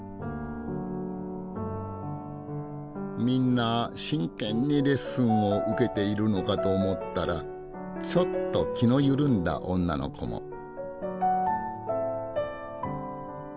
みんな真剣にレッスンを受けているのかと思ったらちょっと気の緩んだ女の子も。